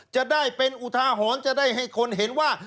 จะได้เป็นอุทาหรณ์จะได้ให้คนเห็นว่า